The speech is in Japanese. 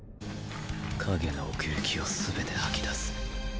影の奥行きを全て吐き出す。